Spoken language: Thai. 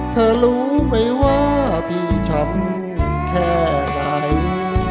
เธอรู้ไหมว่าพี่ช้ำแค่ไหน